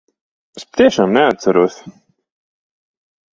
Es patiešām neatceros.